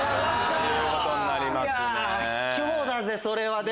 卑怯だぜそれは。